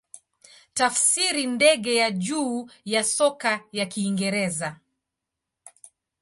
Tafsiri ndege ya juu ya soka ya Kiingereza.